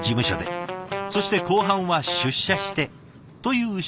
そして後半は出社してという仕事スタイル。